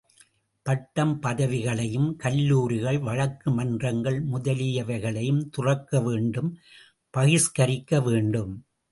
பட்டம் பதவிகளையும், கல்லூரிகள், வழக்கு மன்றங்கள் முதலியவைகளையும், துறக்க வேண்டும், பகிஷ்கரிக்க வேண்டும்.